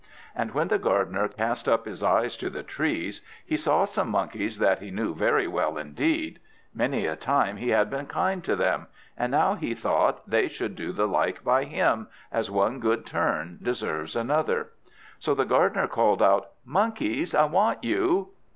And when the gardener cast up his eyes to the trees, he saw some monkeys that he knew very well indeed. Many a time he had been kind to them; and now he thought they should do the like by him, as one good turn deserves another. So the gardener called out, "Monkeys, I want you!"